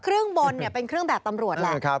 เครื่องบนเป็นเครื่องแบบตำรวจแหละ